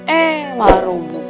eh paruh bu